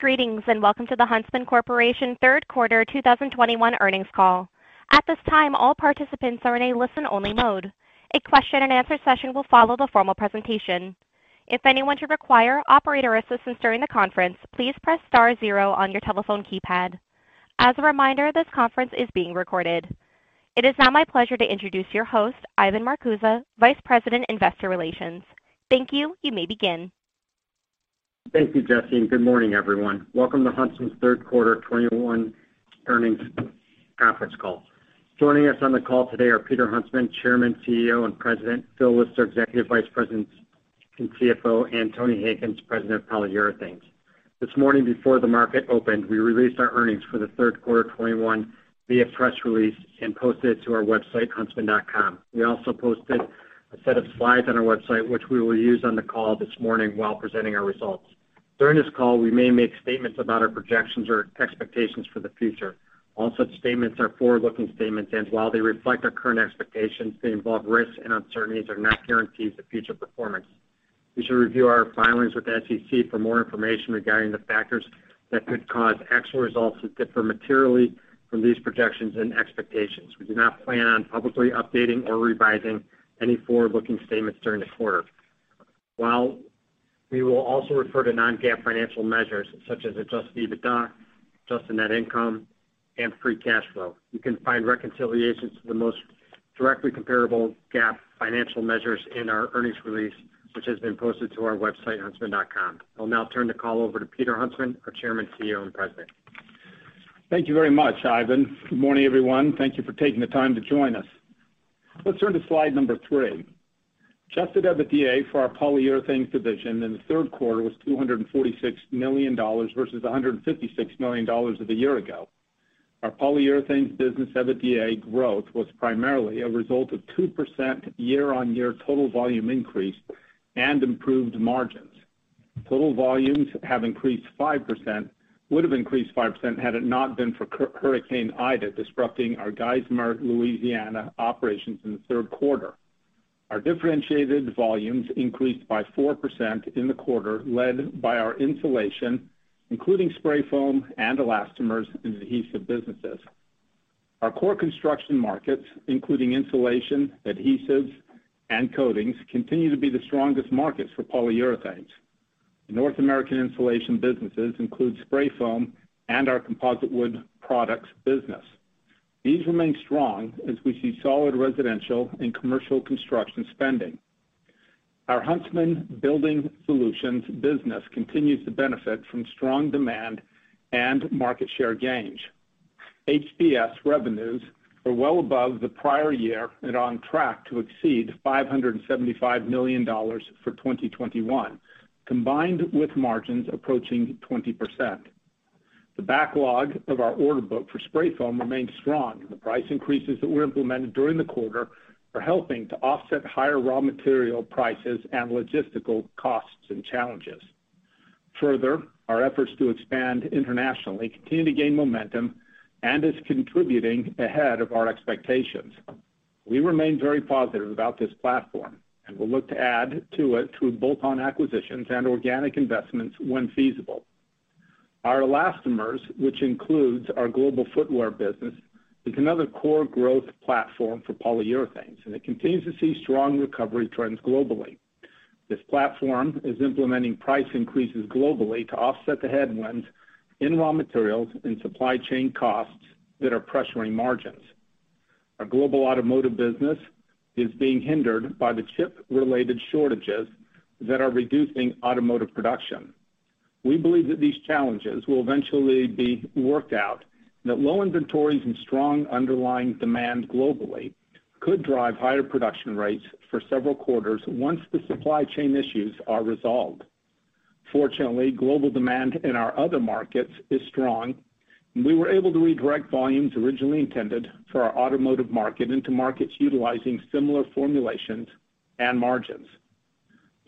Greetings, and welcome to the Huntsman Corporation Third Quarter 2021 Earnings Call. At this time, all participants are in a listen-only mode. A question-and-answer session will follow the formal presentation. If anyone should require operator assistance during the conference, please press star zero on your telephone keypad. As a reminder, this conference is being recorded. It is now my pleasure to introduce your host, Ivan Marcuse, Vice President, Investor Relations. Thank you. You may begin. Thank you, Jesse, and good morning, everyone. Welcome to Huntsman's third quarter 2021 earnings conference call. Joining us on the call today are Peter Huntsman, Chairman, CEO, and President, Phil Lister, Executive Vice President and CFO, and Tony Hankins, President of Polyurethanes. This morning, before the market opened, we released our earnings for the third quarter 2021 via press release and posted it to our website, huntsman.com. We also posted a set of slides on our website, which we will use on the call this morning while presenting our results. During this call, we may make statements about our projections or expectations for the future. All such statements are forward-looking statements, and while they reflect our current expectations, they involve risks and uncertainties, are not guarantees of future performance. You should review our filings with the SEC for more information regarding the factors that could cause actual results to differ materially from these projections and expectations. We do not plan on publicly updating or revising any forward-looking statements during the quarter. While we will also refer to non-GAAP financial measures such as adjusted EBITDA, adjusted net income, and free cash flow, you can find reconciliations to the most directly comparable GAAP financial measures in our earnings release, which has been posted to our website, huntsman.com. I'll now turn the call over to Peter Huntsman, our Chairman, CEO, and President. Thank you very much, Ivan. Good morning, everyone. Thank you for taking the time to join us. Let's turn to slide number three. Adjusted EBITDA for our Polyurethanes division in the third quarter was $246 million versus $156 million of a year ago. Our Polyurethanes business EBITDA growth was primarily a result of 2% year-on-year total volume increase and improved margins. Total volumes would have increased 5% had it not been for Hurricane Ida disrupting our Geismar, Louisiana, operations in the third quarter. Our differentiated volumes increased by 4% in the quarter, led by our insulation, including spray foam and elastomers in the adhesive businesses. Our core construction markets, including insulation, adhesives, and coatings, continue to be the strongest markets for polyurethanes. The North American insulation businesses include spray foam and our composite wood products business. These remain strong as we see solid residential and commercial construction spending. Our Huntsman Building Solutions business continues to benefit from strong demand and market share gains. HBS revenues are well above the prior year and on track to exceed $575 million for 2021, combined with margins approaching 20%. The backlog of our order book for spray foam remains strong, and the price increases that were implemented during the quarter are helping to offset higher raw material prices and logistical costs and challenges. Further, our efforts to expand internationally continue to gain momentum and is contributing ahead of our expectations. We remain very positive about this platform, and we'll look to add to it through bolt-on acquisitions and organic investments when feasible. Our elastomers, which includes our global footwear business, is another core growth platform for Polyurethanes, and it continues to see strong recovery trends globally. This platform is implementing price increases globally to offset the headwinds in raw materials and supply chain costs that are pressuring margins. Our global automotive business is being hindered by the chip-related shortages that are reducing automotive production. We believe that these challenges will eventually be worked out and that low inventories and strong underlying demand globally could drive higher production rates for several quarters once the supply chain issues are resolved. Fortunately, global demand in our other markets is strong, and we were able to redirect volumes originally intended for our automotive market into markets utilizing similar formulations and margins.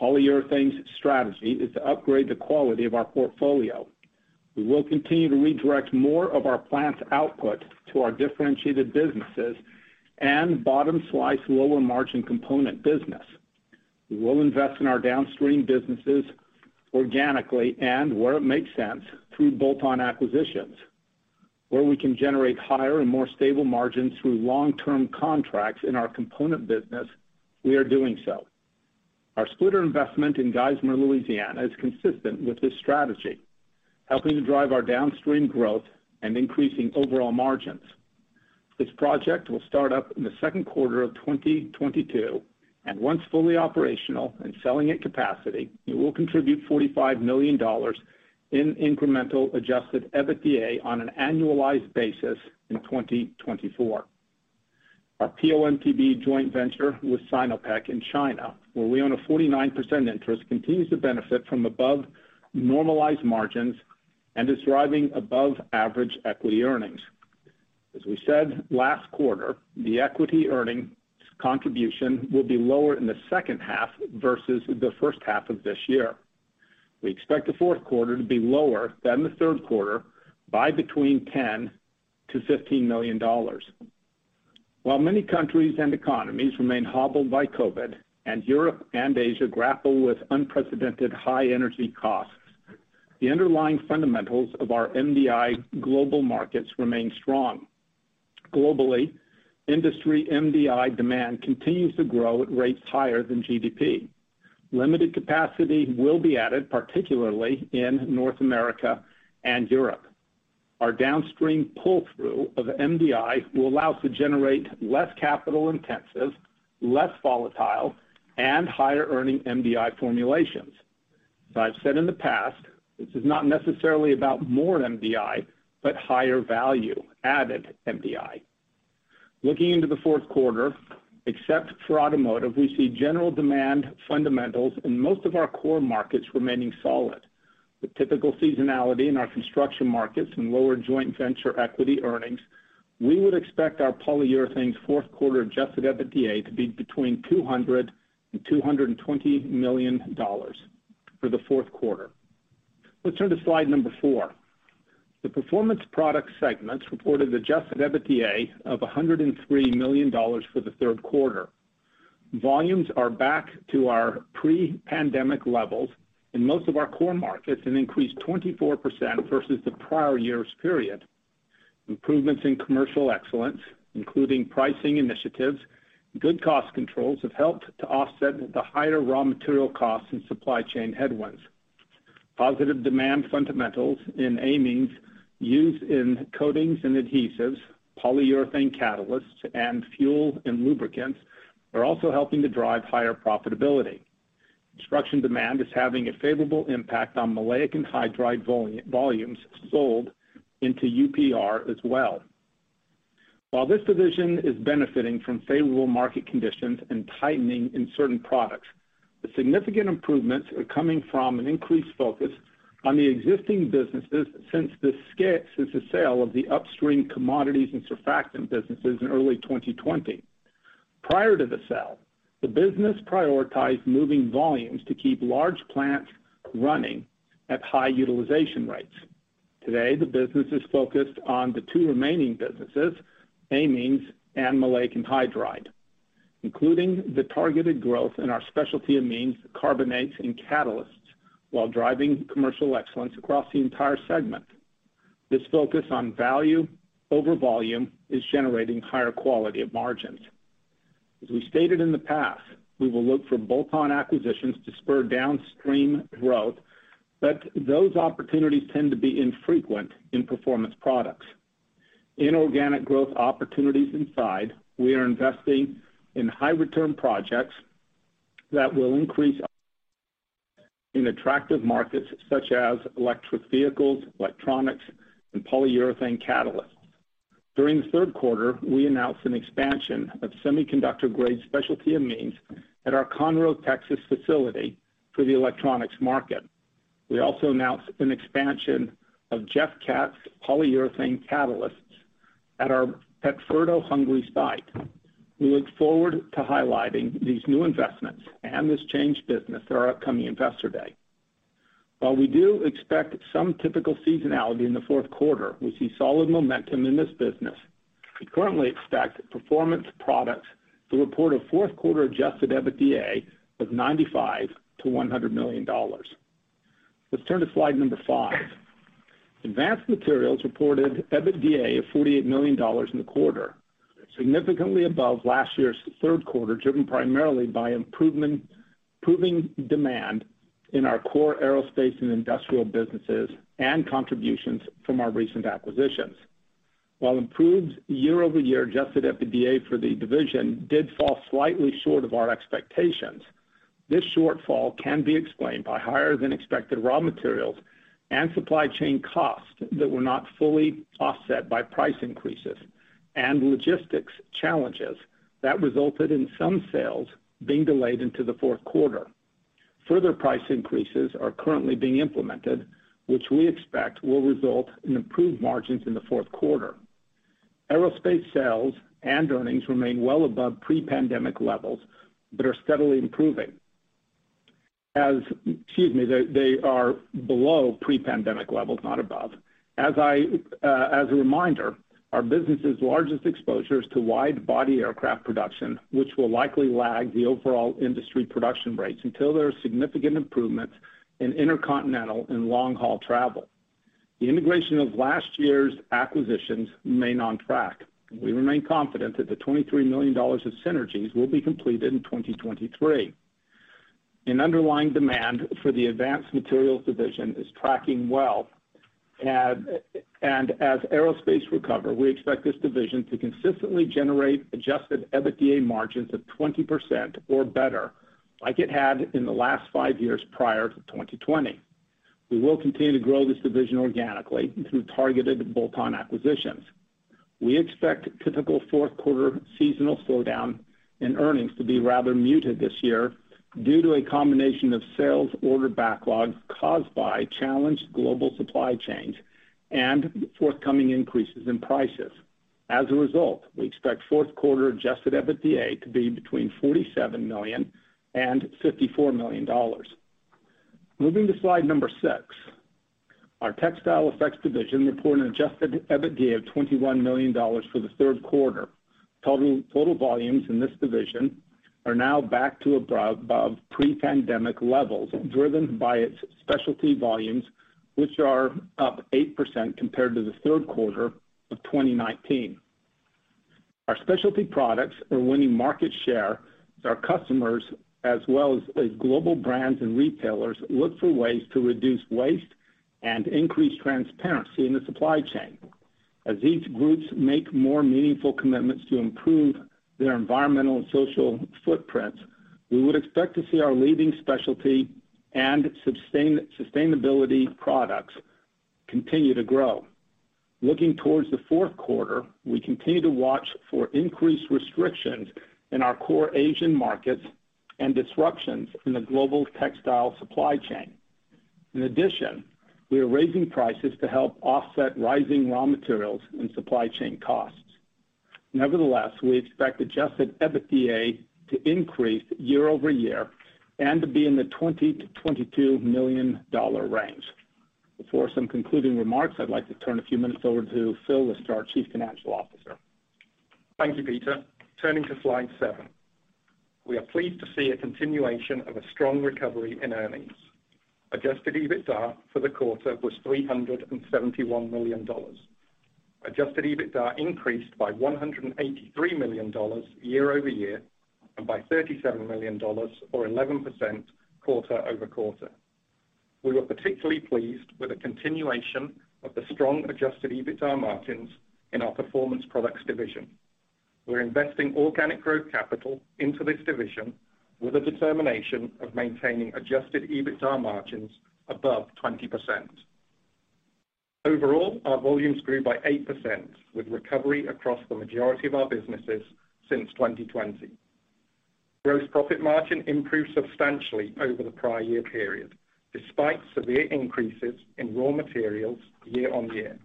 Polyurethanes' strategy is to upgrade the quality of our portfolio. We will continue to redirect more of our plants' output to our differentiated businesses and bottom-slice lower-margin component business. We will invest in our downstream businesses organically and, where it makes sense, through bolt-on acquisitions. Where we can generate higher and more stable margins through long-term contracts in our component business, we are doing so. Our splitter investment in Geismar, Louisiana, is consistent with this strategy, helping to drive our downstream growth and increasing overall margins. This project will start up in the second quarter of 2022, and once fully operational and selling at capacity, it will contribute $45 million in incremental adjusted EBITDA on an annualized basis in 2024. Our PO/MTBE joint venture with Sinopec in China, where we own a 49% interest, continues to benefit from above normalized margins and is driving above-average equity earnings. As we said last quarter, the equity earnings contribution will be lower in the second half versus the first half of this year. We expect the fourth quarter to be lower than the third quarter by between $10 million-$15 million. While many countries and economies remain hobbled by COVID, and Europe and Asia grapple with unprecedented high energy costs, the underlying fundamentals of our MDI global markets remain strong. Globally, industry MDI demand continues to grow at rates higher than GDP. Limited capacity will be added, particularly in North America and Europe. Our downstream pull-through of MDI will allow us to generate less capital intensive, less volatile, and higher earning MDI formulations. As I've said in the past, this is not necessarily about more MDI, but higher value added MDI. Looking into the fourth quarter, except for automotive, we see general demand fundamentals in most of our core markets remaining solid. The typical seasonality in our construction markets and lower joint venture equity earnings, we would expect our Polyurethanes fourth quarter adjusted EBITDA to be between $200 million and $220 million for the fourth quarter. Let's turn to slide 4. The Performance Products segment reported adjusted EBITDA of $103 million for the third quarter. Volumes are back to our pre-pandemic levels in most of our core markets and increased 24% versus the prior year's period. Improvements in commercial excellence, including pricing initiatives, good cost controls, have helped to offset the higher raw material costs and supply chain headwinds. Positive demand fundamentals in amines used in coatings and adhesives, polyurethane catalysts, and fuel and lubricants are also helping to drive higher profitability. Construction demand is having a favorable impact on maleic anhydride volumes sold into UPR as well. While this division is benefiting from favorable market conditions and tightening in certain products, the significant improvements are coming from an increased focus on the existing businesses since the sale of the upstream commodities and surfactant businesses in early 2020. Prior to the sale, the business prioritized moving volumes to keep large plants running at high utilization rates. Today, the business is focused on the two remaining businesses, amines and maleic anhydride, including the targeted growth in our specialty amines, carbonates, and catalysts while driving commercial excellence across the entire segment. This focus on value over volume is generating higher quality of margins. As we stated in the past, we will look for bolt-on acquisitions to spur downstream growth, but those opportunities tend to be infrequent in Performance Products. In organic growth opportunities inside, we are investing in high return projects that will increase in attractive markets such as electric vehicles, electronics, and polyurethane catalysts. During the third quarter, we announced an expansion of semiconductor-grade specialty amines at our Conroe, Texas facility for the electronics market. We also announced an expansion of JEFFCAT's polyurethane catalysts at our Petfurdo site. We look forward to highlighting these new investments and this changed business at our upcoming Investor Day. While we do expect some typical seasonality in the fourth quarter, we see solid momentum in this business. We currently expect Performance Products to report a fourth quarter adjusted EBITDA of $95 million-$100 million. Let's turn to slide number 5. Advanced Materials reported EBITDA of $48 million in the quarter, significantly above last year's third quarter, driven primarily by improving demand in our core aerospace and industrial businesses and contributions from our recent acquisitions. While improved year-over-year adjusted EBITDA for the division did fall slightly short of our expectations, this shortfall can be explained by higher than expected raw materials and supply chain costs that were not fully offset by price increases and logistics challenges that resulted in some sales being delayed into the fourth quarter. Further price increases are currently being implemented, which we expect will result in improved margins in the fourth quarter. Aerospace sales and earnings remain well above pre-pandemic levels that are steadily improving. Excuse me, they are below pre-pandemic levels, not above. As a reminder, our business's largest exposure is to wide body aircraft production, which will likely lag the overall industry production rates until there are significant improvements in intercontinental and long-haul travel. The integration of last year's acquisitions remain on track. We remain confident that the $23 million of synergies will be completed in 2023. An underlying demand for the Advanced Materials division is tracking well. As aerospace recover, we expect this division to consistently generate adjusted EBITDA margins of 20% or better like it had in the last five years prior to 2020. We will continue to grow this division organically through targeted bolt-on acquisitions. We expect typical fourth quarter seasonal slowdown in earnings to be rather muted this year due to a combination of sales order backlogs caused by challenged global supply chains and forthcoming increases in prices. As a result, we expect fourth quarter adjusted EBITDA to be between $47 million and $54 million. Moving to slide number six. Our Textile Effects division reported an adjusted EBITDA of $21 million for the third quarter. Total volumes in this division are now back to above pre-pandemic levels, driven by its specialty volumes, which are up 8% compared to the third quarter of 2019. Our specialty products are winning market share as our customers, as well as global brands and retailers look for ways to reduce waste and increase transparency in the supply chain. As each group makes more meaningful commitments to improve their environmental and social footprints, we would expect to see our leading specialty and sustainability products continue to grow. Looking towards the fourth quarter, we continue to watch for increased restrictions in our core Asian markets and disruptions in the global textile supply chain. In addition, we are raising prices to help offset rising raw materials and supply chain costs. Nevertheless, we expect adjusted EBITDA to increase year-over-year and to be in the $20-$22 million range. For some concluding remarks, I'd like to turn a few minutes over to Phil Lister, our Chief Financial Officer. Thank you, Peter. Turning to slide seven. We are pleased to see a continuation of a strong recovery in earnings. Adjusted EBITDA for the quarter was $371 million. Adjusted EBITDA increased by $183 million year-over-year, and by $37 million or 11% quarter-over-quarter. We were particularly pleased with the continuation of the strong adjusted EBITDA margins in our Performance Products division. We're investing organic growth capital into this division with a determination of maintaining adjusted EBITDA margins above 20%. Overall, our volumes grew by 8% with recovery across the majority of our businesses since 2020. Gross profit margin improved substantially over the prior year period, despite severe increases in raw materials year-over-year,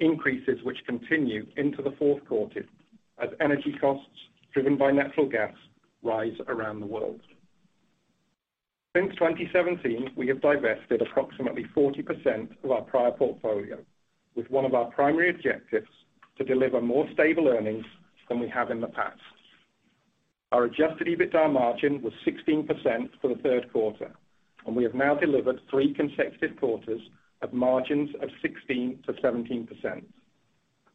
increases which continue into the fourth quarter as energy costs driven by natural gas rise around the world. Since 2017, we have divested approximately 40% of our prior portfolio, with one of our primary objectives to deliver more stable earnings than we have in the past. Our adjusted EBITDA margin was 16% for the third quarter, and we have now delivered three consecutive quarters of margins of 16%-17%.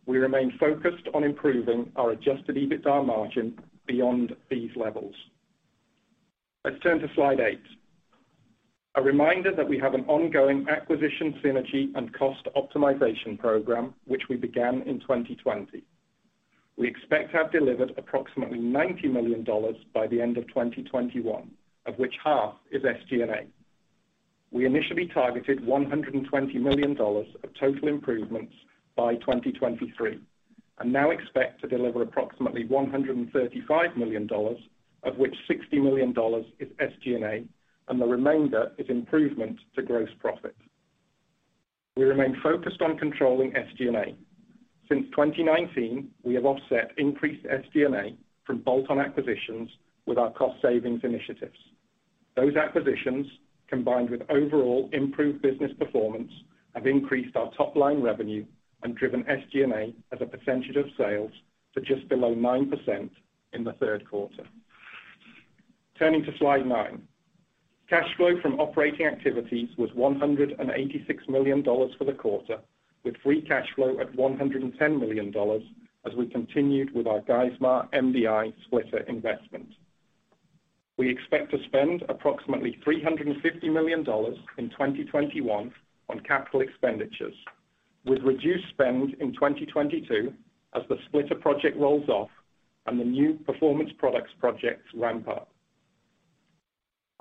We remain focused on improving our adjusted EBITDA margin beyond these levels. Let's turn to slide eight. A reminder that we have an ongoing acquisition synergy and cost optimization program, which we began in 2020. We expect to have delivered approximately $90 million by the end of 2021, of which half is SG&A. We initially targeted $120 million of total improvements by 2023, and now expect to deliver approximately $135 million, of which $60 million is SG&A, and the remainder is improvement to gross profit. We remain focused on controlling SG&A. Since 2019, we have offset increased SG&A from bolt-on acquisitions with our cost savings initiatives. Those acquisitions, combined with overall improved business performance, have increased our top-line revenue and driven SG&A as a percentage of sales to just below 9% in the third quarter. Turning to slide nine. Cash flow from operating activities was $186 million for the quarter, with free cash flow at $110 million as we continued with our Geismar MDI splitter investment. We expect to spend approximately $350 million in 2021 on capital expenditures, with reduced spend in 2022 as the splitter project rolls off and the new Performance Products projects ramp up.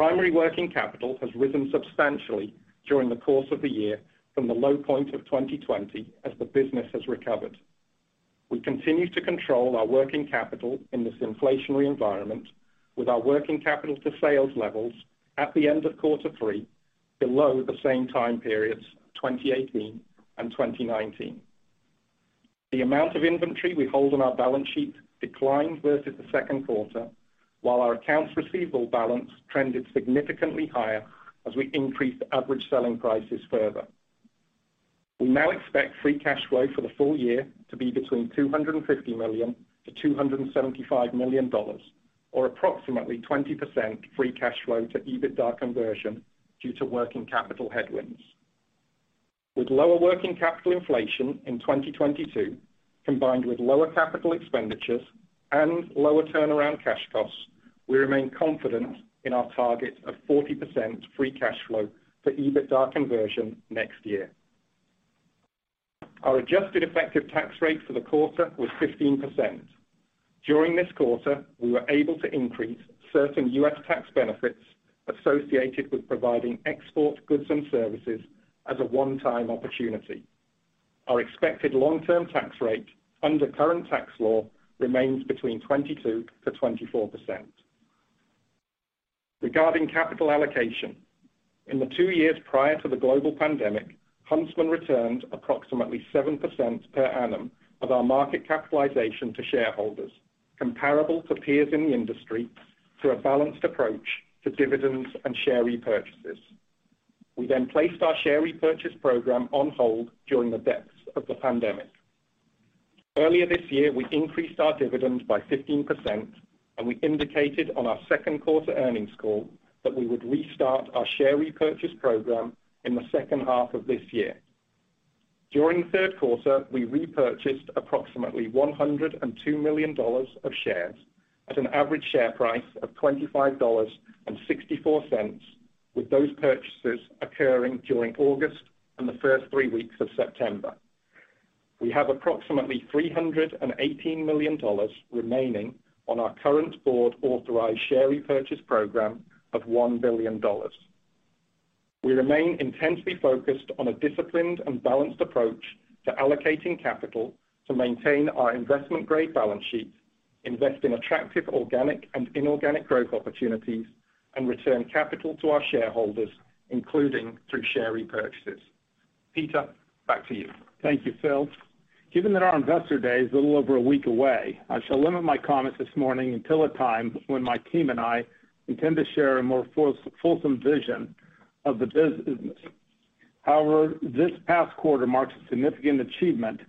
Primary working capital has risen substantially during the course of the year from the low point of 2020 as the business has recovered. We continue to control our working capital in this inflationary environment with our working capital to sales levels at the end of quarter three below the same time periods 2018 and 2019. The amount of inventory we hold on our balance sheet declined versus the second quarter, while our accounts receivable balance trended significantly higher as we increased average selling prices further. We now expect free cash flow for the full year to be between $250 million-$275 million or approximately 20% free cash flow to EBITDA conversion due to working capital headwinds. With lower working capital inflation in 2022, combined with lower capital expenditures and lower turnaround cash costs, we remain confident in our target of 40% free cash flow to EBITDA conversion next year. Our adjusted effective tax rate for the quarter was 15%. During this quarter, we were able to increase certain U.S. tax benefits associated with providing export goods and services as a one-time opportunity. Our expected long-term tax rate under current tax law remains between 22%-24%. Regarding capital allocation, in the two years prior to the global pandemic, Huntsman returned approximately 7% per annum of our market capitalization to shareholders. Comparable to peers in the industry through a balanced approach to dividends and share repurchases. We then placed our share repurchase program on hold during the depths of the pandemic. Earlier this year, we increased our dividend by 15%, and we indicated on our second quarter earnings call that we would restart our share repurchase program in the second half of this year. During the third quarter, we repurchased approximately $102 million of shares at an average share price of $25.64, with those purchases occurring during August and the first three weeks of September. We have approximately $318 million remaining on our current board-authorized share repurchase program of $1 billion. We remain intensely focused on a disciplined and balanced approach to allocating capital to maintain our investment-grade balance sheet, invest in attractive organic and inorganic growth opportunities, and return capital to our shareholders, including through share repurchases. Peter, back to you. Thank you, Phil. Given that our Investor Day is a little over a week away, I shall limit my comments this morning until a time when my team and I intend to share a more full, fulsome vision of the business. However, this past quarter marks a significant achievement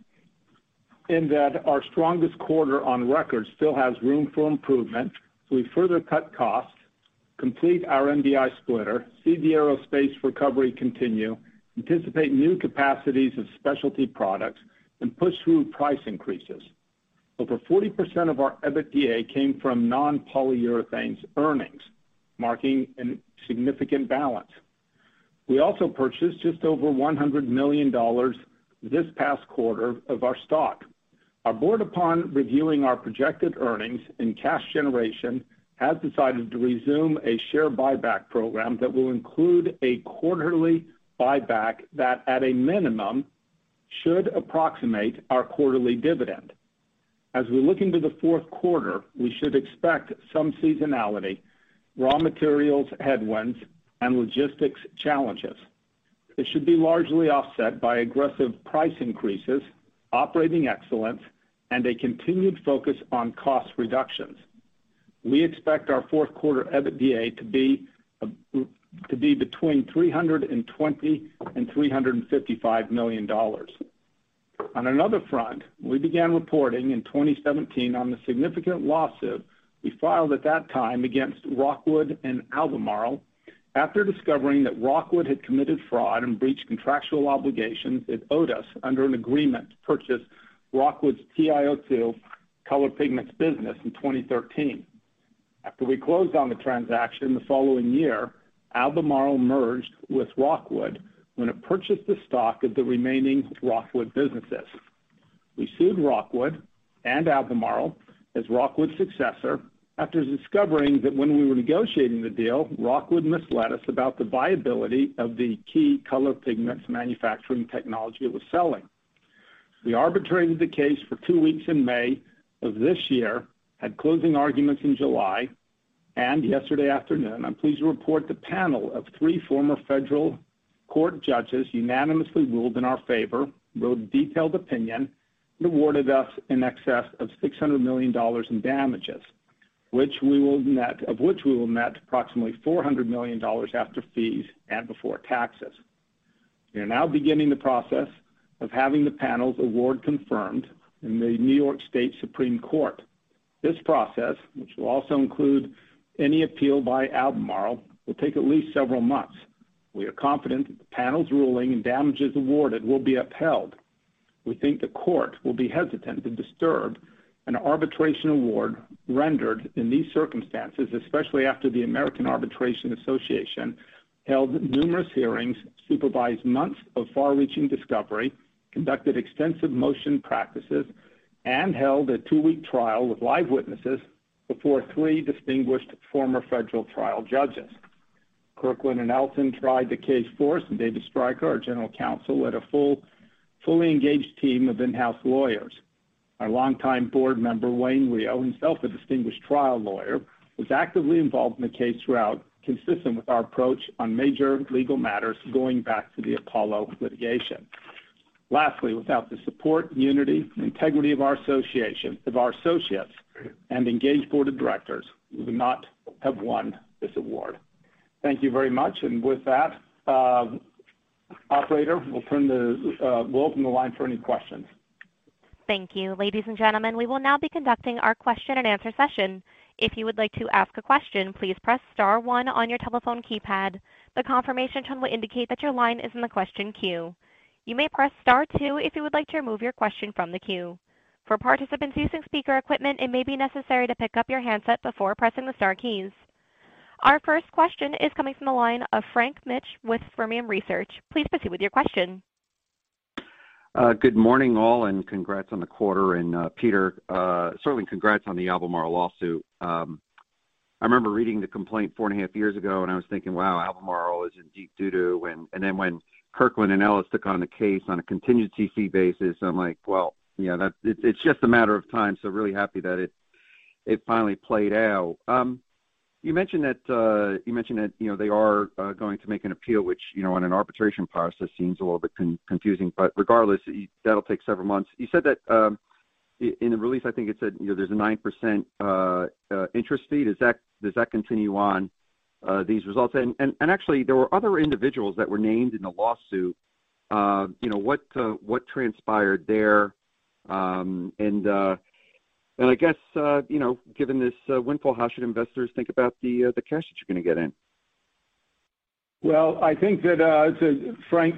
in that our strongest quarter on record still has room for improvement as we further cut costs, complete our MDI splitter, see the aerospace recovery continue, anticipate new capacities of specialty products, and push through price increases. Over 40% of our EBITDA came from non-Polyurethanes earnings, marking a significant balance. We also purchased just over $100 million this past quarter of our stock. Our board, upon reviewing our projected earnings and cash generation, has decided to resume a share buyback program that will include a quarterly buyback that, at a minimum, should approximate our quarterly dividend. As we look into the fourth quarter, we should expect some seasonality, raw materials headwinds, and logistics challenges. It should be largely offset by aggressive price increases, operating excellence, and a continued focus on cost reductions. We expect our fourth quarter EBITDA to be between $320 million and $355 million. On another front, we began reporting in 2017 on the significant lawsuit we filed at that time against Rockwood and Albemarle after discovering that Rockwood had committed fraud and breached contractual obligations it owed us under an agreement to purchase Rockwood's TiO2 color pigments business in 2013. After we closed on the transaction the following year, Albemarle merged with Rockwood when it purchased the stock of the remaining Rockwood businesses. We sued Rockwood and Albemarle as Rockwood's successor after discovering that when we were negotiating the deal, Rockwood misled us about the viability of the key color pigments manufacturing technology it was selling. We arbitrated the case for two weeks in May of this year, had closing arguments in July, and yesterday afternoon, I'm pleased to report the panel of three former federal court judges unanimously ruled in our favor, wrote a detailed opinion, and awarded us in excess of $600 million in damages, of which we will net approximately $400 million after fees and before taxes. We are now beginning the process of having the panel's award confirmed in the New York State Supreme Court. This process, which will also include any appeal by Albemarle, will take at least several months. We are confident that the panel's ruling and damages awarded will be upheld. We think the court will be hesitant to disturb an arbitration award rendered in these circumstances, especially after the American Arbitration Association held numerous hearings, supervised months of far-reaching discovery, conducted extensive motion practices, and held a two-week trial with live witnesses before three distinguished former federal trial judges. Kirkland & Ellis tried the case for us, and David Stryker, our General Counsel, led a fully engaged team of in-house lawyers. Our longtime board member, Wayne Reaud, himself a distinguished trial lawyer, was actively involved in the case throughout, consistent with our approach on major legal matters going back to the Apollo litigation. Lastly, without the support, unity, and integrity of our associates and engaged board of directors, we would not have won this award. Thank you very much. With that, operator, we'll open the line for any questions. Thank you. Ladies and gentlemen, we will now be conducting our question-and-answer session. If you would like to ask a question, please press star, one on your telephone keypad. The confirmation tone will indicate that your line is in the question queue. You may press star, two if you would like to remove your question from the queue. For participants using speaker equipment, it may be necessary to pick up your handset before pressing the star keys. Our first question is coming from the line of Frank Mitsch with Fermium Research. Please proceed with your question. Good morning, all, and congrats on the quarter. Peter, certainly congrats on the Albemarle lawsuit. I remember reading the complaint 4.5 years ago, and I was thinking, "Wow, Albemarle is in deep doo-doo." Then when Kirkland & Ellis took on the case on a contingency fee basis, I'm like, "Well, you know, that it's just a matter of time." Really happy that it finally played out. You mentioned that, you know, they are going to make an appeal, which, you know, on an arbitration process seems a little bit confusing, but regardless, that'll take several months. You said that in the release, I think it said, you know, there's a 9% interest fee. Does that continue on these results? Actually there were other individuals that were named in the lawsuit. You know, what transpired there? I guess, you know, given this windfall, how should investors think about the cash that you're gonna get in? Well, I think that Frank,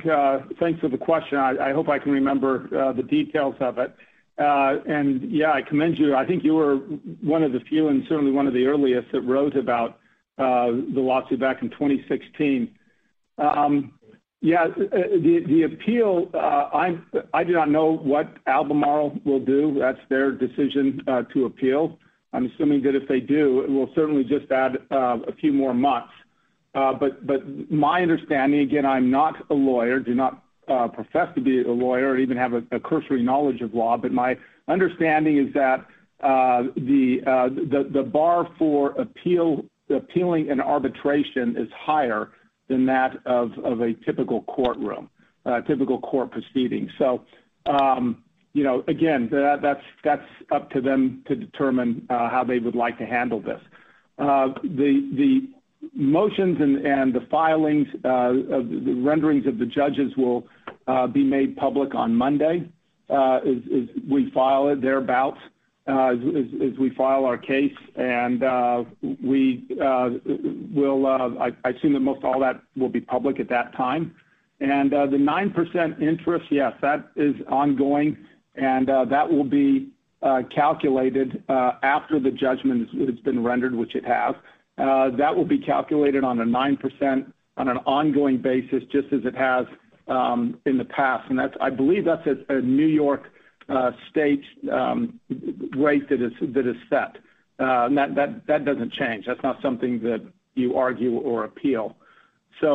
thanks for the question. I hope I can remember the details of it. Yeah, I commend you. I think you were one of the few and certainly one of the earliest that wrote about the lawsuit back in 2016. Yeah, the appeal, I do not know what Albemarle will do. That's their decision to appeal. I'm assuming that if they do, it will certainly just add a few more months. But my understanding again, I'm not a lawyer, do not profess to be a lawyer or even have a cursory knowledge of law. My understanding is that the bar for appealing an arbitration is higher than that of a typical courtroom, a typical court proceeding. You know, again, that's up to them to determine how they would like to handle this. The motions and the filings of the rulings of the judges will be made public on Monday as we file our case. I assume that most all that will be public at that time. The 9% interest, yes, that is ongoing and that will be calculated after the judgment has been rendered, which it has. That will be calculated on a 9% on an ongoing basis, just as it has in the past. That's, I believe that's a New York State rate that is set. That doesn't change. That's not something that you argue or appeal. As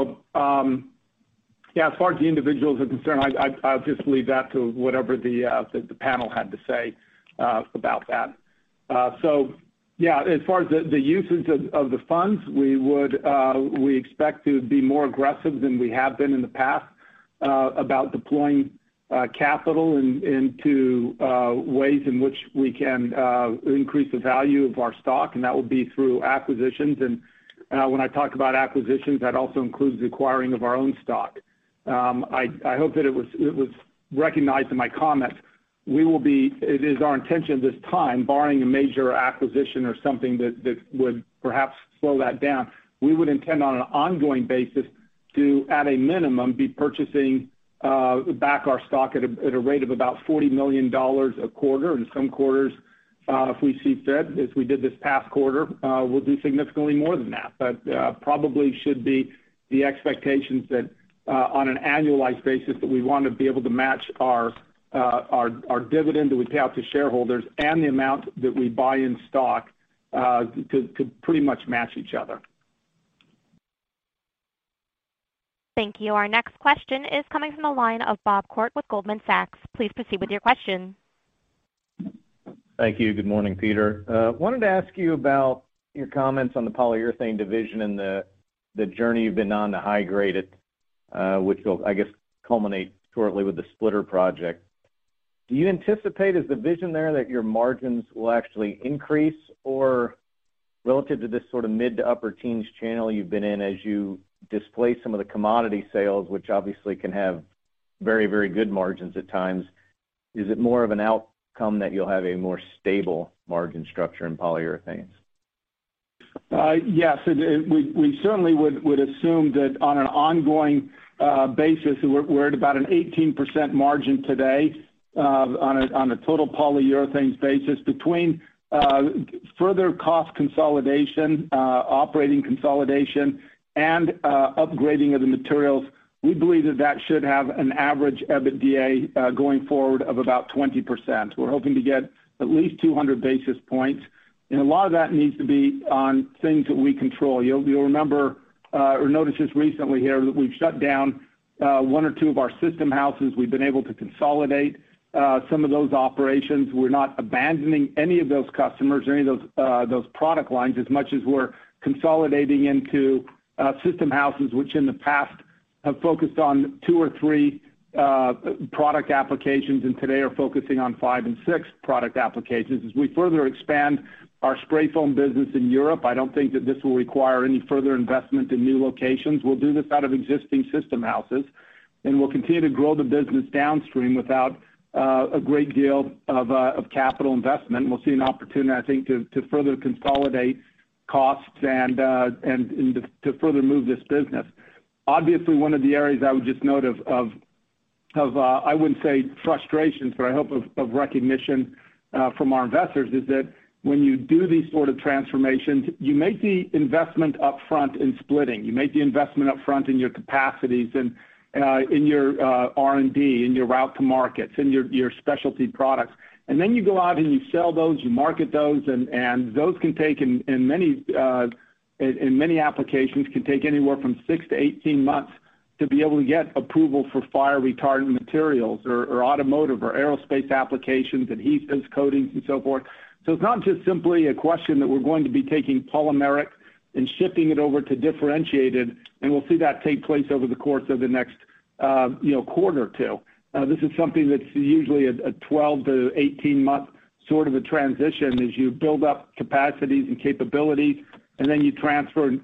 far as the individuals are concerned, I'll just leave that to whatever the panel had to say about that. As far as the uses of the funds, we expect to be more aggressive than we have been in the past about deploying capital into ways in which we can increase the value of our stock, and that would be through acquisitions. When I talk about acquisitions, that also includes the acquiring of our own stock. I hope that it was recognized in my comments. It is our intention at this time, barring a major acquisition or something that would perhaps slow that down, we would intend on an ongoing basis to, at a minimum, be purchasing back our stock at a rate of about $40 million a quarter. In some quarters, if we see fit, as we did this past quarter, we'll do significantly more than that. Probably should be the expectations that on an annualized basis, that we wanna be able to match our dividend that we pay out to shareholders and the amount that we buy in stock to pretty much match each other. Thank you. Our next question is coming from the line of Bob Koort with Goldman Sachs. Please proceed with your question. Thank you. Good morning, Peter. Wanted to ask you about your comments on the Polyurethanes division and the journey you've been on to high-grade it, which will, I guess, culminate shortly with the splitter project. Do you anticipate is the vision there that your margins will actually increase? Or relative to this sort of mid to upper teens channel you've been in as you displace some of the commodity sales, which obviously can have very, very good margins at times, is it more of an outcome that you'll have a more stable margin structure in Polyurethanes? Yes. We certainly would assume that on an ongoing basis, we're at about an 18% margin today on a total Polyurethanes basis. Between further cost consolidation, operating consolidation and upgrading of the materials, we believe that should have an average EBITDA going forward of about 20%. We're hoping to get at least 200 basis points, and a lot of that needs to be on things that we control. You'll remember or noticed just recently here that we've shut down one or two of our system houses. We've been able to consolidate some of those operations. We're not abandoning any of those customers or any of those product lines as much as we're consolidating into system houses, which in the past have focused on two or three product applications, and today are focusing on five and six product applications. As we further expand our spray foam business in Europe, I don't think that this will require any further investment in new locations. We'll do this out of existing system houses, and we'll continue to grow the business downstream without a great deal of capital investment. We'll see an opportunity, I think, to further consolidate costs and to further move this business. Obviously, one of the areas I would just note of, I wouldn't say frustrations, but I hope of recognition from our investors is that when you do these sort of transformations, you make the investment up front in splitting, you make the investment up front in your capacities and in your R&D, in your route to markets, in your specialty products. Then you go out and you sell those, you market those, and those can take in many applications, can take anywhere from six to 18 months to be able to get approval for fire retardant materials or automotive or aerospace applications, adhesives, coatings, and so forth. It's not just simply a question that we're going to be taking polymeric and shifting it over to differentiated, and we'll see that take place over the course of the next quarter or two. This is something that's usually a 12-18-month sort of a transition as you build up capacities and capabilities, and then you transfer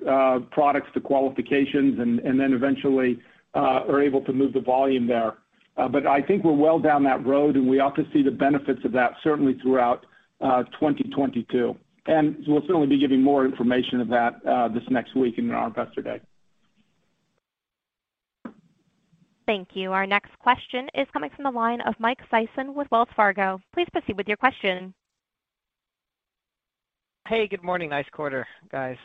products to qualifications and then eventually are able to move the volume there. But I think we're well down that road, and we ought to see the benefits of that certainly throughout 2022. We'll certainly be giving more information of that this next week in our Investor Day. Thank you. Our next question is coming from the line of Mike Sison with Wells Fargo. Please proceed with your question. Hey, good morning. Nice quarter, guys.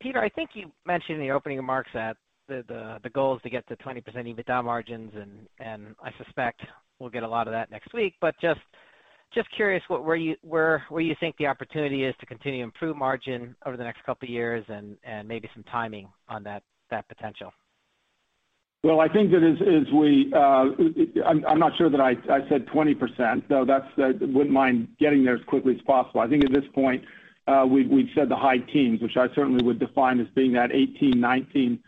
Peter, I think you mentioned in the opening remarks that the goal is to get to 20% EBITDA margins, and I suspect we'll get a lot of that next week. Just curious where you think the opportunity is to continue to improve margin over the next couple of years and maybe some timing on that potential. I think that I'm not sure that I said 20%, though. I wouldn't mind getting there as quickly as possible. I think at this point, we've said the high teens, which I certainly would define as being that 18-19%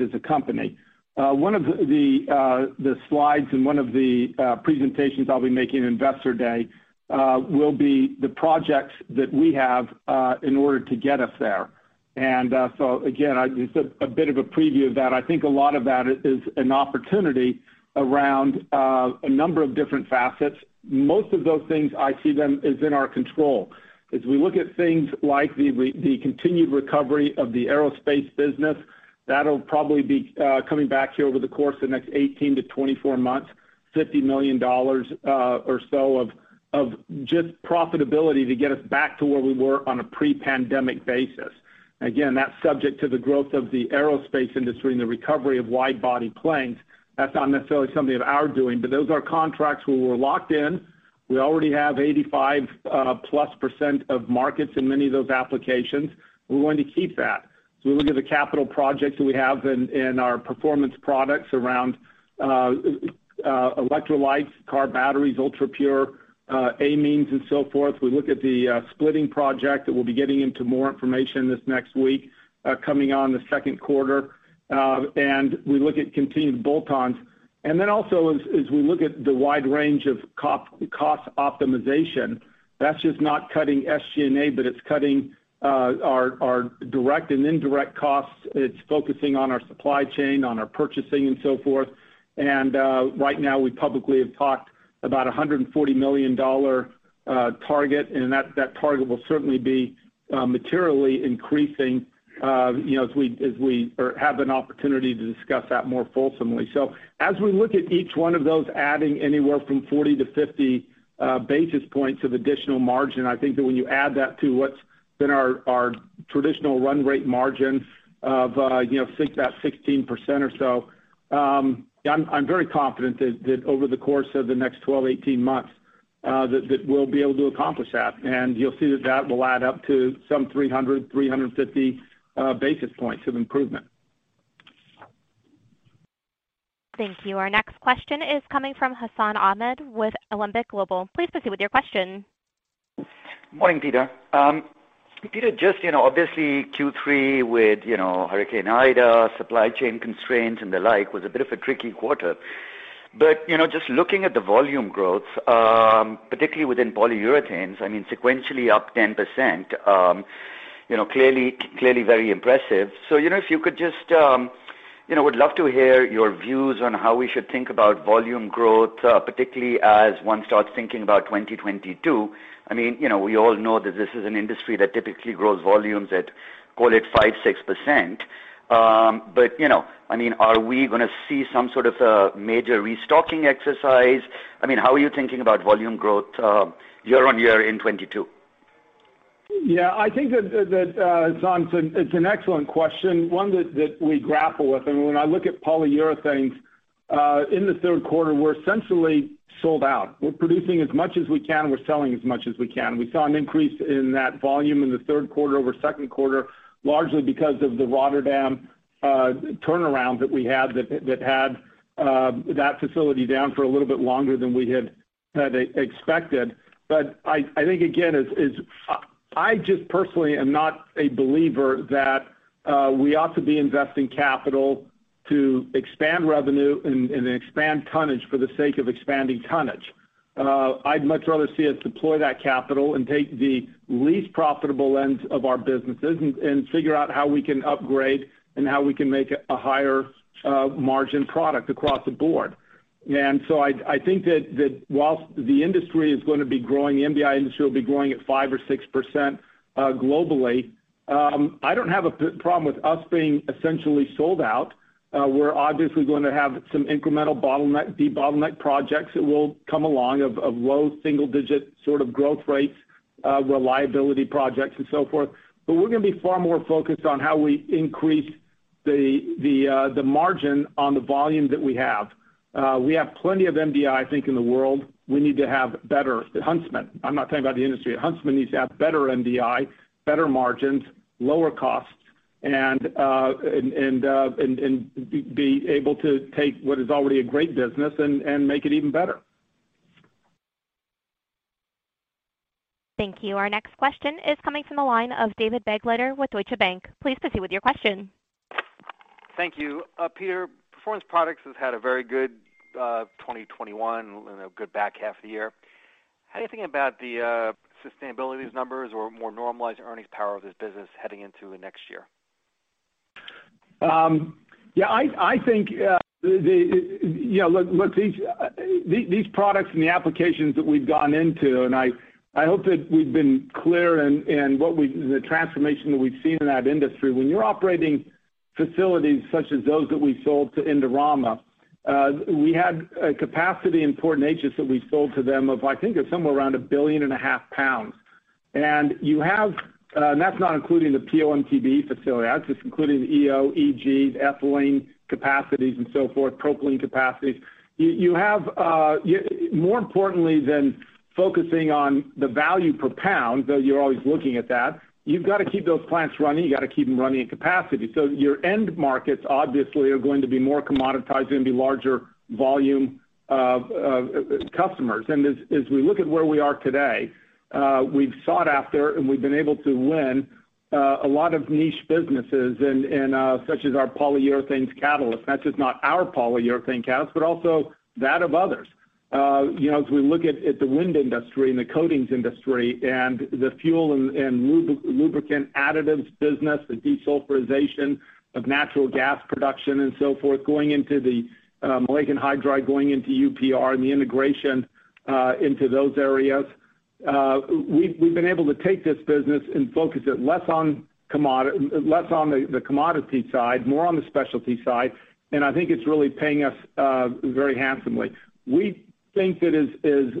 as a company. One of the slides in one of the presentations I'll be making at Investor Day will be the projects that we have in order to get us there. Again, just a bit of a preview of that. I think a lot of that is an opportunity around a number of different facets. Most of those things I see them as in our control. As we look at things like the continued recovery of the aerospace business, that'll probably be coming back here over the course of the next 18-24 months, $50 million or so of just profitability to get us back to where we were on a pre-pandemic basis. Again, that's subject to the growth of the aerospace industry and the recovery of wide-body planes. That's not necessarily something of our doing, but those are contracts where we're locked in. We already have 85%+ of markets in many of those applications. We're going to keep that. We look at the capital projects that we have in our Performance Products around electrolytes, car batteries, ultrapure amines and so forth. We look at the splitting project that we'll be getting into more information this next week coming in the second quarter. We look at continued bolt-ons. We look at the wide range of cost optimization. That's just not cutting SG&A, but it's cutting our direct and indirect costs. It's focusing on our supply chain, on our purchasing and so forth. Right now we publicly have talked about a $140 million target, and that target will certainly be materially increasing, you know, as we have an opportunity to discuss that more fulsomely. As we look at each one of those adding anywhere from 40-50 basis points of additional margin, I think that when you add that to what's been our traditional run rate margin of, think about 16% or so, I'm very confident that over the course of the next 12-18 months, that we'll be able to accomplish that. You'll see that that will add up to some 300-350 basis points of improvement. Thank you. Our next question is coming from Hassan Ahmed with Alembic Global Advisors. Please proceed with your question. Morning, Peter. Peter, just, you know, obviously Q3 with, you know, Hurricane Ida, supply chain constraints and the like was a bit of a tricky quarter. You know, just looking at the volume growth, particularly within Polyurethanes, I mean, sequentially up 10%, you know, clearly very impressive. You know, if you could just, you know, would love to hear your views on how we should think about volume growth, particularly as one starts thinking about 2022. I mean, you know, we all know that this is an industry that typically grows volumes at, call it 5%-6%. You know, I mean, are we gonna see some sort of a major restocking exercise? I mean, how are you thinking about volume growth, year-on-year in 2022? Yeah, I think Hassan, it's an excellent question, one that we grapple with. When I look at Polyurethanes in the third quarter, we're essentially sold out. We're producing as much as we can. We're selling as much as we can. We saw an increase in that volume in the third quarter over second quarter, largely because of the Rotterdam turnaround that we had that had that facility down for a little bit longer than we had expected. I think again I just personally am not a believer that we ought to be investing capital to expand revenue and expand tonnage for the sake of expanding tonnage. I'd much rather see us deploy that capital and take the least profitable ends of our businesses and figure out how we can upgrade and how we can make a higher margin product across the board. I think that while the industry is gonna be growing, the MDI industry will be growing at 5%-6% globally. I don't have a problem with us being essentially sold out. We're obviously going to have some incremental bottleneck, debottleneck projects that will come along of low single-digit sort of growth rates, reliability projects and so forth. We're gonna be far more focused on how we increase the margin on the volume that we have. We have plenty of MDI, I think, in the world. We need to have better at Huntsman. I'm not talking about the industry. Huntsman needs to have better MDI, better margins, lower costs, and be able to take what is already a great business and make it even better. Thank you. Our next question is coming from the line of David Begleiter with Deutsche Bank. Please proceed with your question. Thank you. Peter, Performance Products has had a very good 2021 and a good back half of the year. How are you thinking about the sustainability of these numbers or more normalized earnings power of this business heading into the next year? Yeah, I think, you know, look, these products and the applications that we've gotten into, and I hope that we've been clear in the transformation that we've seen in that industry. When you're operating facilities such as those that we sold to Indorama, we had a capacity in Port Neches that we sold to them of, I think it's somewhere around 1.5 billion pounds. That's not including the PO/MTBE facility. That's just including the EO, EGs, ethylene capacities and so forth, propylene capacities. You have, more importantly than focusing on the value per pound, though you're always looking at that, you've got to keep those plants running. You got to keep them running at capacity. Your end markets obviously are going to be more commoditized. They're gonna be larger volume of customers. As we look at where we are today, we've sought after and we've been able to win a lot of niche businesses such as our Polyurethanes catalyst. That's not just our polyurethane catalyst, but also that of others. You know, as we look at the wind industry and the coatings industry and the fuel and lubricant additives business, the desulfurization of natural gas production and so forth, going into the lake and hydride, going into UPR and the integration into those areas, we've been able to take this business and focus it less on the commodity side, more on the specialty side, and I think it's really paying us very handsomely. We think that as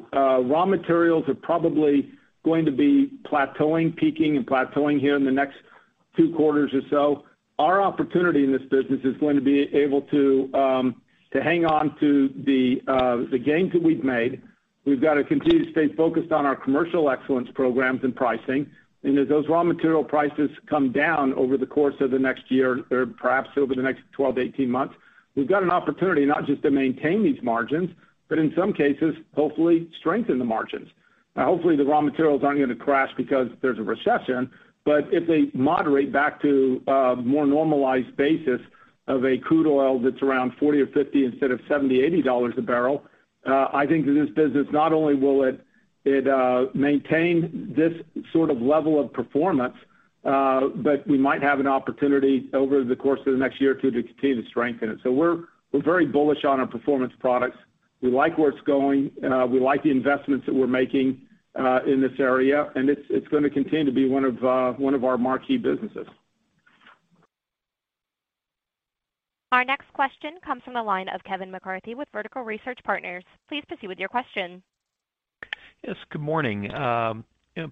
raw materials are probably going to be plateauing, peaking and plateauing here in the next two quarters or so, our opportunity in this business is going to be able to hang on to the gains that we've made. We've got to continue to stay focused on our commercial excellence programs and pricing. As those raw material prices come down over the course of the next year or perhaps over the next 12-18 months, we've got an opportunity not just to maintain these margins, but in some cases, hopefully strengthen the margins. Now, hopefully, the raw materials aren't gonna crash because there's a recession, but if they moderate back to a more normalized basis of a crude oil that's around $40 or $50 instead of $70, $80 a barrel, I think that this business not only will it maintain this sort of level of performance, but we might have an opportunity over the course of the next year or two to continue to strengthen it. We're very bullish on our Performance Products. We like where it's going. We like the investments that we're making in this area, and it's gonna continue to be one of our marquee businesses. Our next question comes from the line of Kevin McCarthy with Vertical Research Partners. Please proceed with your question. Yes, good morning. You know,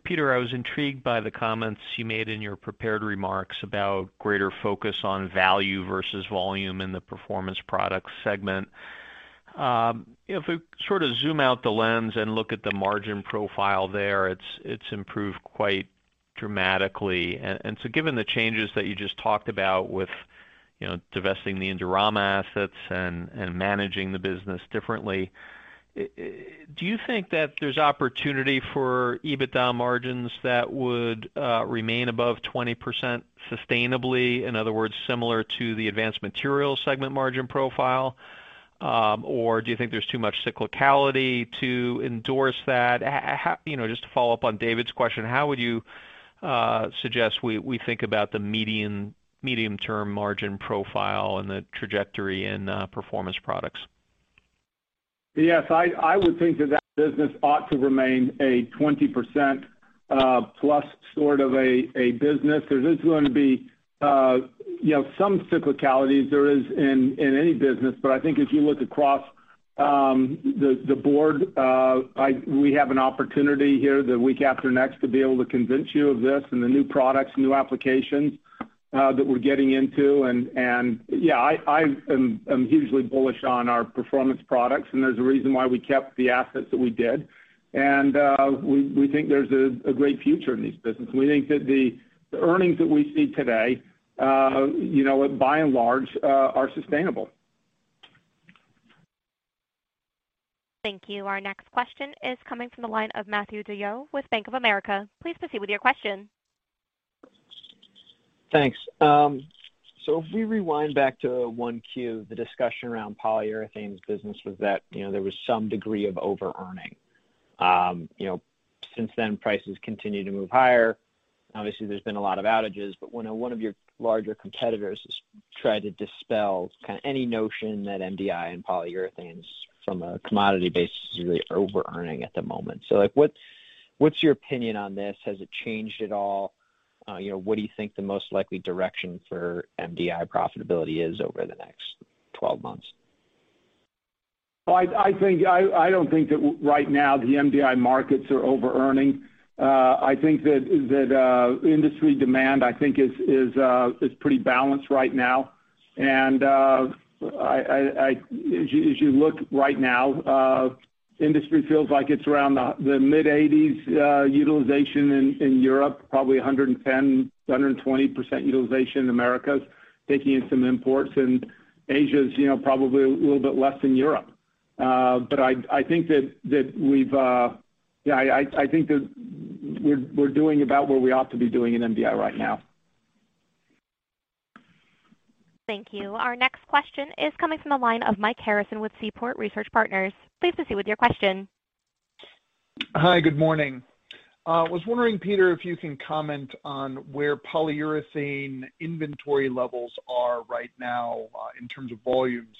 Peter, I was intrigued by the comments you made in your prepared remarks about greater focus on value versus volume in the Performance Products segment. If we sort of zoom out the lens and look at the margin profile there, it's improved quite dramatically. Given the changes that you just talked about with, you know, divesting the Indorama assets and managing the business differently, do you think that there's opportunity for EBITDA margins that would remain above 20% sustainably? In other words, similar to the Advanced Materials segment margin profile. Or do you think there's too much cyclicality to endorse that? You know, just to follow up on David's question, how would you suggest we think about the medium-term margin profile and the trajectory in Performance Products? Yes, I would think that business ought to remain a 20% plus sort of a business. There is going to be some cyclicalities there is in any business. But I think if you look across the board, we have an opportunity here the week after next to be able to convince you of this and the new products, new applications that we're getting into. Yeah, I am hugely bullish on our Performance Products, and there's a reason why we kept the assets that we did. We think there's a great future in this business. We think that the earnings that we see today by and large are sustainable. Thank you. Our next question is coming from the line of Matthew DeYoe with Bank of America. Please proceed with your question. Thanks. So if we rewind back to 1Q, the discussion around Polyurethanes business was that, you know, there was some degree of overearning. You know, since then, prices continue to move higher. Obviously, there's been a lot of outages, but one of your larger competitors has tried to dispel kind of any notion that MDI and polyurethanes from a commodity basis is really overearning at the moment. What's your opinion on this? Has it changed at all? You know, what do you think the most likely direction for MDI profitability is over the next 12 months? Well, I don't think that right now the MDI markets are overearning. I think that industry demand I think is pretty balanced right now. As you look right now, industry feels like it's around the mid-80s utilization in Europe, probably 110%-120% utilization in Americas, taking in some imports. Asia's, you know, probably a little bit less than Europe. But I think that we've I think that we're doing about what we ought to be doing in MDI right now. Thank you. Our next question is coming from the line of Mike Harrison with Seaport Research Partners. Please proceed with your question. Hi, good morning. Was wondering, Peter, if you can comment on where polyurethane inventory levels are right now, in terms of volumes,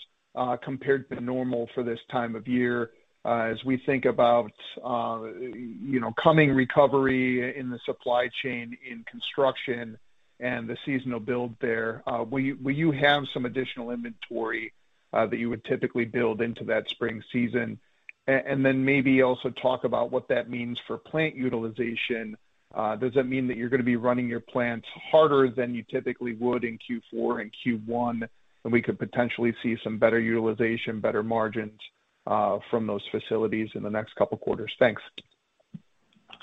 compared to normal for this time of year, as we think about, you know, coming recovery in the supply chain in construction and the seasonal build there. Will you have some additional inventory that you would typically build into that spring season? And then maybe also talk about what that means for plant utilization. Does that mean that you're gonna be running your plants harder than you typically would in Q4 and Q1, and we could potentially see some better utilization, better margins from those facilities in the next couple quarters? Thanks.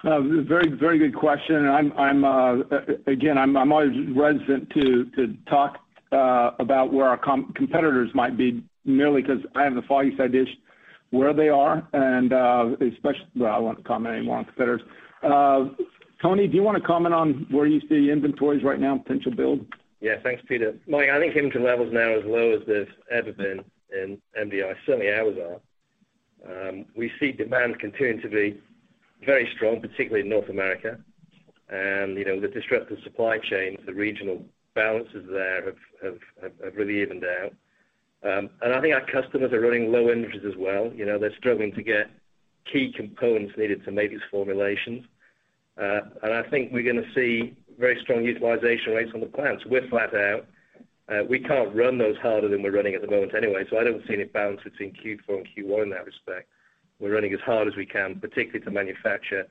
Very, very good question. I'm always reticent to talk about where our competitors might be merely 'cause I have the foggiest idea where they are. Well, I won't comment anymore on competitors. Tony, do you wanna comment on where you see inventories right now, potential build? Yeah. Thanks, Peter. Mike, I think inventory levels now are as low as they've ever been in MDI, certainly ours are. We see demand continuing to be very strong, particularly in North America. You know, the disruptive supply chains, the regional balances there have really evened out. I think our customers are running low inventories as well. You know, they're struggling to get key components needed to make these formulations. I think we're gonna see very strong utilization rates on the plants. We're flat out. We can't run those harder than we're running at the moment anyway, so I don't see any balance between Q4 and Q1 in that respect. We're running as hard as we can, particularly to manufacture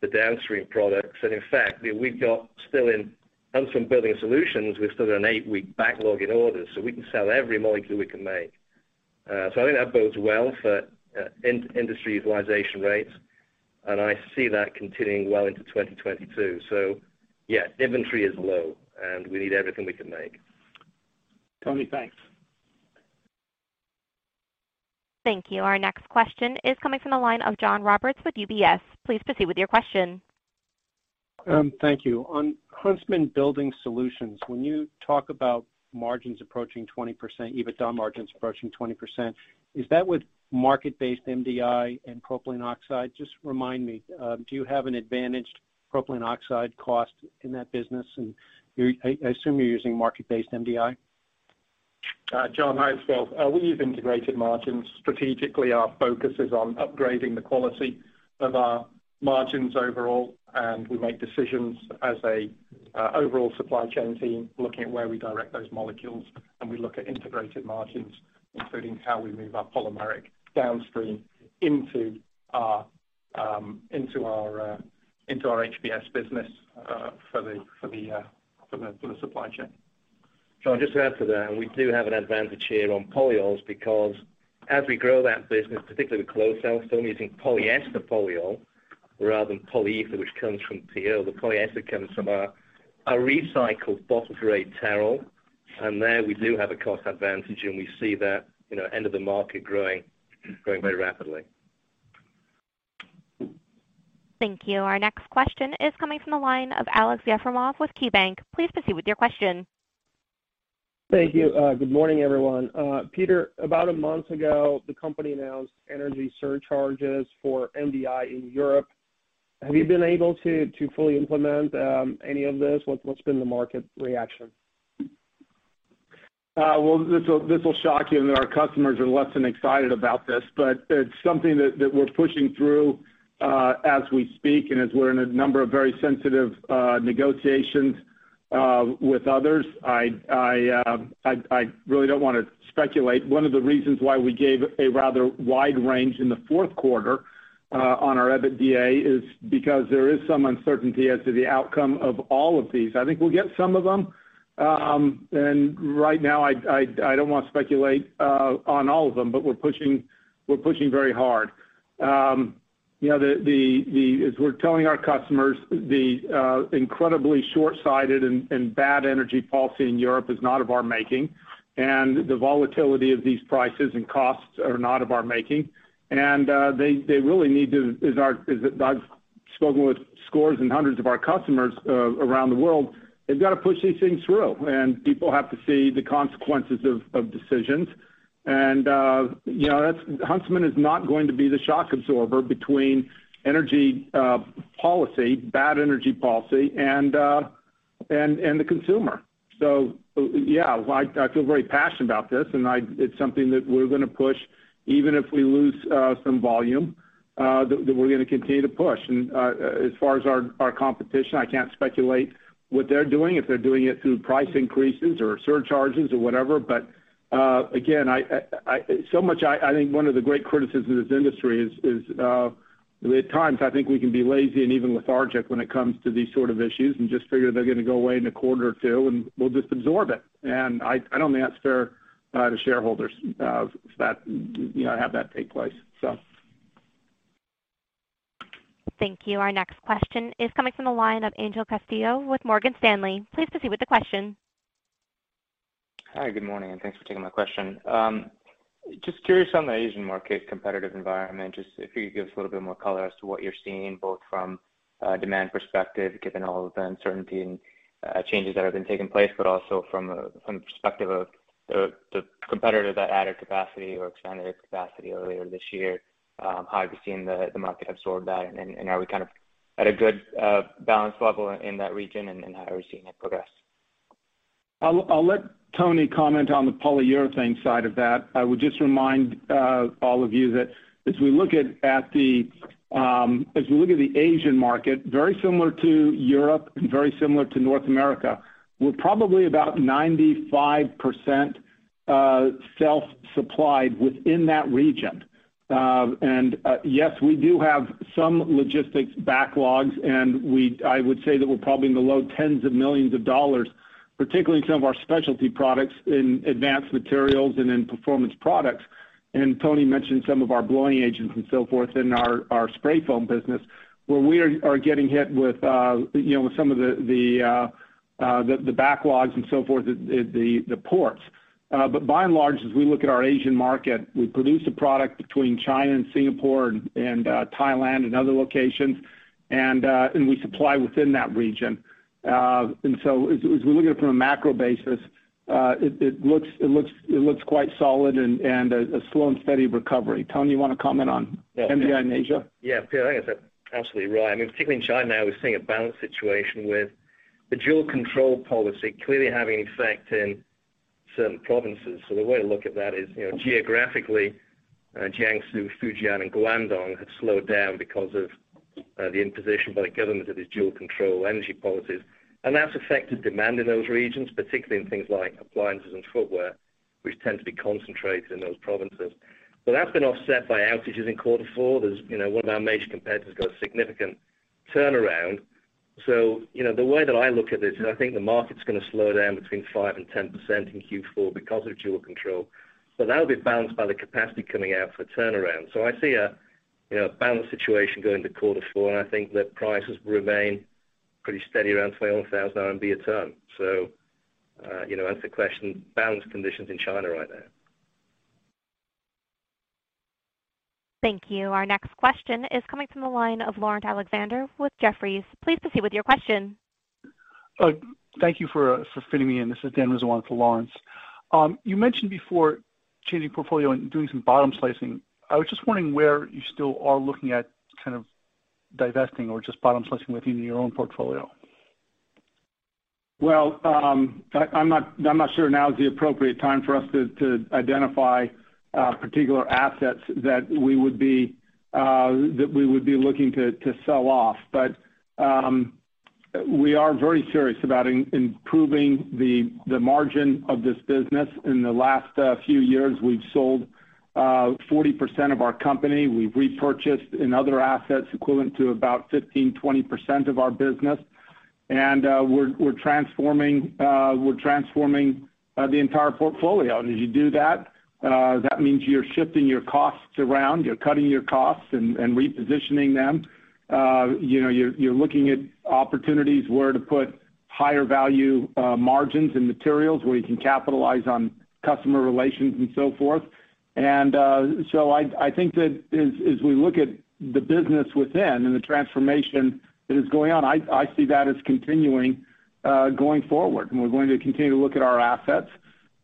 the downstream products. In fact, we've got still in Huntsman Building Solutions, we've still got an eight-week backlog in orders, so we can sell every molecule we can make. I think that bodes well for industry utilization rates, and I see that continuing well into 2022. Yeah, inventory is low, and we need everything we can make. Tony, thanks. Thank you. Our next question is coming from the line of John Roberts with UBS. Please proceed with your question. Thank you. On Huntsman Building Solutions, when you talk about margins approaching 20%, EBITDA margins approaching 20%, is that with market-based MDI and propylene oxide? Just remind me, do you have an advantaged propylene oxide cost in that business? I assume you're using market-based MDI. John. Hi, it's Tony. We use integrated margins. Strategically, our focus is on upgrading the quality of our margins overall, and we make decisions as an overall supply chain team looking at where we direct those molecules, and we look at integrated margins, including how we move our polymeric downstream into our HBS business for the supply chain. John, just to add to that, we do have an advantage here on polyols because as we grow that business, particularly with closed cell stone using polyester polyol rather than polyether, which comes from PO. The polyester comes from our recycled bottle-grade terephthalate, and there we do have a cost advantage, and we see that, you know, end of the market growing very rapidly. Thank you. Our next question is coming from the line of Alex Yefremov with KeyBank. Please proceed with your question. Thank you. Good morning, everyone. Peter, about a month ago, the company announced energy surcharges for MDI in Europe. Have you been able to to fully implement any of this? What's been the market reaction? Well, this will shock you that our customers are less than excited about this, but it's something that we're pushing through as we speak and as we're in a number of very sensitive negotiations with others. I really don't wanna speculate. One of the reasons why we gave a rather wide range in the fourth quarter on our EBITDA is because there is some uncertainty as to the outcome of all of these. I think we'll get some of them. Right now, I don't wanna speculate on all of them, but we're pushing very hard. You know, as we're telling our customers the incredibly short-sighted and bad energy policy in Europe is not of our making, and the volatility of these prices and costs are not of our making. They really need to. I've spoken with scores and hundreds of our customers around the world, they've got to push these things through, and people have to see the consequences of decisions. You know, that's. Huntsman is not going to be the shock absorber between energy policy, bad energy policy and the consumer. Yeah, I feel very passionate about this, it's something that we're gonna push even if we lose some volume that we're gonna continue to push. As far as our competition, I can't speculate what they're doing, if they're doing it through price increases or surcharges or whatever. Again, I think one of the great criticisms of this industry is at times I think we can be lazy and even lethargic when it comes to these sort of issues and just figure they're gonna go away in a quarter or two, and we'll just absorb it. I don't think that's fair to shareholders that you know have that take place. Thank you. Our next question is coming from the line of Angel Castillo with Morgan Stanley. Please proceed with the question. Hi, good morning, and thanks for taking my question. Just curious on the Asian market competitive environment, just if you could give us a little bit more color as to what you're seeing, both from a demand perspective, given all the uncertainty and changes that have been taking place, but also from the perspective of the competitor that added capacity or expanded capacity earlier this year, how have you seen the market absorb that? Are we kind of at a good balanced level in that region, and how are we seeing it progress? I'll let Tony comment on the polyurethane side of that. I would just remind all of you that as we look at the Asian market, very similar to Europe and very similar to North America, we're probably about 95% self-supplied within that region. Yes, we do have some logistics backlogs. I would say that we're probably in the low tens of millions of dollars, particularly in some of our specialty products in Advanced Materials and in Performance Products. Tony mentioned some of our blowing agents and so forth in our spray foam business, where we are getting hit with some of the backlogs and so forth at the ports. By and large, as we look at our Asian market, we produce a product between China and Singapore and Thailand and other locations, and we supply within that region. As we look at it from a macro basis, it looks quite solid and a slow and steady recovery. Tony, you wanna comment on MDI in Asia? Yeah. Peter, I think that's absolutely right. I mean, particularly in China now we're seeing a balanced situation with the dual control policy clearly having an effect in certain provinces. The way to look at that is, you know, geographically, Jiangsu, Fujian, and Guangdong have slowed down because of the imposition by the government of these dual control energy policies. That's affected demand in those regions, particularly in things like appliances and footwear, which tend to be concentrated in those provinces. That's been offset by outages in quarter four. There's, you know, one of our major competitors got a significant turnaround. The way that I look at this is I think the market's gonna slow down between 5% and 10% in Q4 because of dual control, but that'll be balanced by the capacity coming out for turnaround. I see you know, balanced situation going to quarter four, and I think that prices will remain pretty steady around 12,000 RMB a ton. You know, answer the question, balanced conditions in China right now. Thank you. Our next question is coming from the line of Laurence Alexander with Jefferies. Please proceed with your question. Thank you for fitting me in. This is Dan Rizzo for Laurence. You mentioned before changing portfolio and doing some bottom slicing. I was just wondering where you still are looking at kind of divesting or just bottom slicing within your own portfolio. I'm not sure now is the appropriate time for us to identify particular assets that we would be looking to sell off. We are very serious about improving the margin of this business. In the last few years, we've sold 40% of our company. We've repurchased in other assets equivalent to about 15-20% of our business. We're transforming the entire portfolio. As you do that means you're shifting your costs around, you're cutting your costs and repositioning them. You know, you're looking at opportunities where to put higher value margins and materials where you can capitalize on customer relations and so forth. I think that as we look at the business within and the transformation that is going on, I see that as continuing going forward. We're going to continue to look at our assets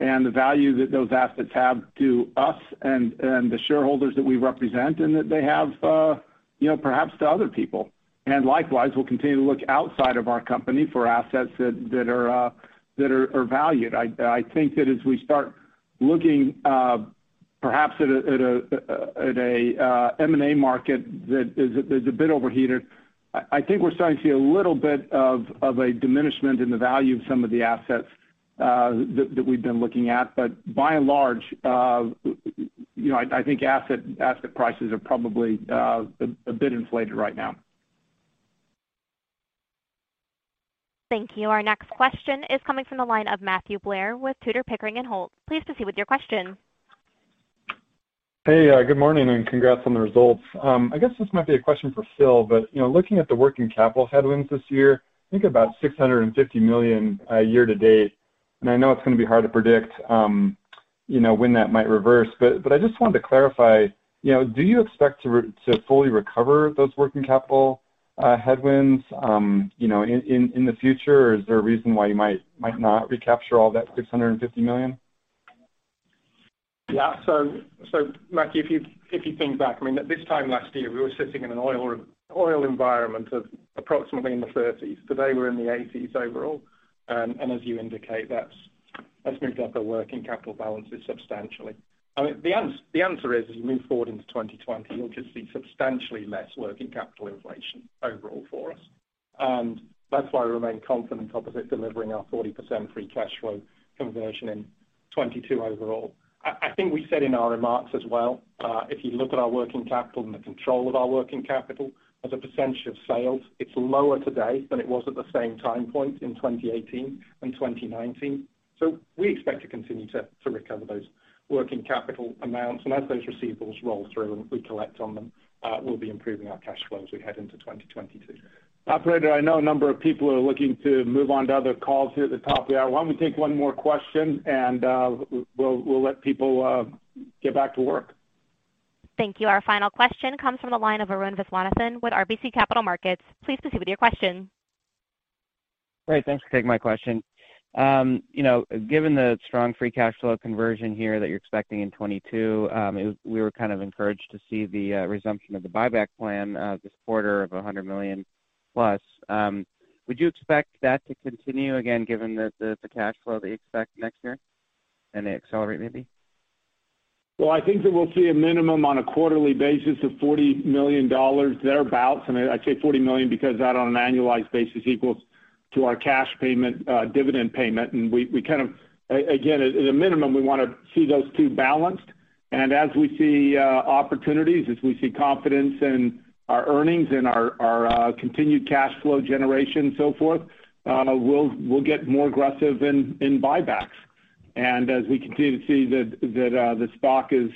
and the value that those assets have to us and the shareholders that we represent and that they have, you know, perhaps to other people. Likewise, we'll continue to look outside of our company for assets that are valued. I think that as we start looking, perhaps at a M&A market that is a bit overheated, I think we're starting to see a little bit of a diminishment in the value of some of the assets that we've been looking at. By and large, you know, I think asset prices are probably a bit inflated right now. Thank you. Our next question is coming from the line of Matthew Blair with Tudor, Pickering, and Holt. Please proceed with your question. Hey, good morning, and congrats on the results. I guess this might be a question for Phil, but you know, looking at the working capital headwinds this year, I think about $650 million year to date. I know it's gonna be hard to predict, you know, when that might reverse, but I just wanted to clarify, you know, do you expect to fully recover those working capital headwinds, you know, in the future? Or is there a reason why you might not recapture all that $650 million? Matthew, if you think back, I mean, at this time last year, we were sitting in an oil environment of approximately in the 30s. Today, we're in the 80s overall. As you indicate, that's moved up our working capital balances substantially. I mean, the answer is, as you move forward into 2020, you'll just see substantially less working capital inflation overall for us. That's why we remain confident of delivering our 40% free cash flow conversion in 2022 overall. I think we said in our remarks as well, if you look at our working capital and the control of our working capital as a percentage of sales, it's lower today than it was at the same time point in 2018 and 2019. We expect to continue to recover those working capital amounts. As those receivables roll through and we collect on them, we'll be improving our cash flow as we head into 2022. Operator, I know a number of people are looking to move on to other calls here at the top of the hour. Why don't we take one more question and we'll let people get back to work. Thank you. Our final question comes from the line of Arun Viswanathan with RBC Capital Markets. Please proceed with your question. Great. Thanks for taking my question. You know, given the strong free cash flow conversion here that you're expecting in 2022, we were kind of encouraged to see the resumption of the buyback plan this quarter of $100 million plus. Would you expect that to continue again, given the cash flow that you expect next year, and accelerate maybe? Well, I think that we'll see a minimum on a quarterly basis of $40 million thereabout. I say $40 million because that on an annualized basis equals to our cash payment, dividend payment. We kind of, again, at a minimum, we wanna see those two balanced. As we see opportunities, as we see confidence in our earnings and our continued cash flow generation and so forth, we'll get more aggressive in buybacks. As we continue to see that the stock is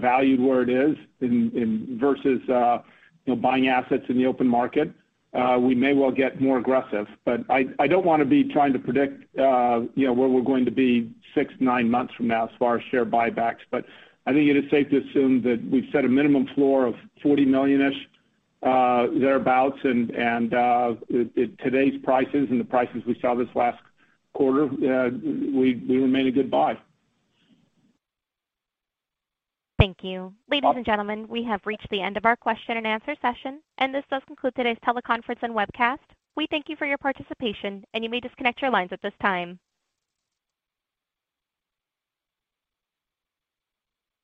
valued where it is in versus you know, buying assets in the open market, we may well get more aggressive. I don't wanna be trying to predict you know, where we're going to be six, nine months from now as far as share buybacks. I think it is safe to assume that we've set a minimum floor of $40 million-ish, thereabouts. At today's prices and the prices we saw this last quarter, we remain a good buy. Thank you. Ladies and gentlemen, we have reached the end of our question-and-answer session, and this does conclude today's teleconference and webcast. We thank you for your participation, and you may disconnect your lines at this time.